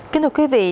kính thưa quý vị